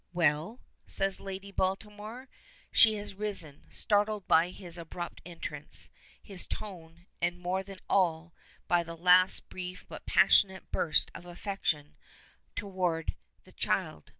"Well?" says Lady Baltimore. She has risen, startled by his abrupt entrance, his tone, and more than all, by that last brief but passionate burst of affection toward the child.